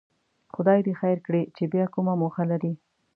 خدای دې خیر کړي چې بیا کومه موخه لري.